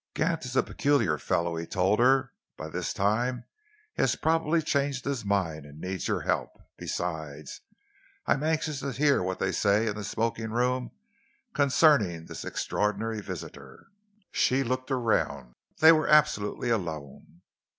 "Gant is a peculiar fellow," he told her. "By this time he has probably changed his mind and needs your help. Besides, I am anxious to hear what they say in the smoking room concerning this extraordinary visitor." She looked around. They were absolutely alone.